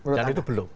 dan itu belum